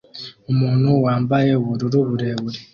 Umuntu wambaye ubururu burebure